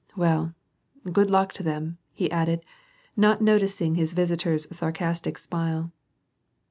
Well, good luck to them," he added, not noticing his visitor's sarcastic smile.